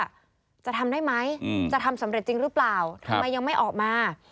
ว่าจะทำได้ไหมจะทำสำเร็จจริงหรือเปล่าทำไมยังไม่ออกมา